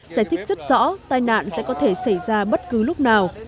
giải thích rất rõ tai nạn sẽ có thể xảy ra bất cứ lúc nào